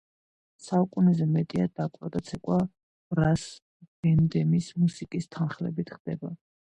საუკუნეზე მეტია დაკვრა და ცეკვა ბრას ბენდების მუსიკის თანხლებით ხდება.